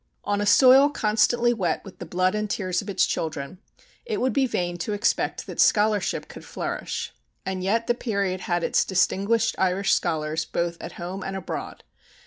On a soil constantly wet with the blood and tears of its children, it would be vain to expect that scholarship could flourish. And yet the period had its distinguished Irish scholars both at home and abroad.